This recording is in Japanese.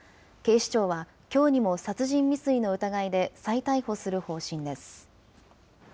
警視庁は、きょうにも殺人未遂の疑いで再逮捕する方針です。